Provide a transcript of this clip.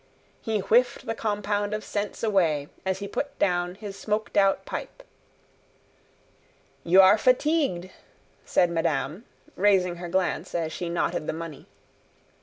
He whiffed the compound of scents away, as he put down his smoked out pipe. "You are fatigued," said madame, raising her glance as she knotted the money.